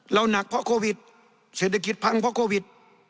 หนักเพราะโควิดเศรษฐกิจพังเพราะโควิด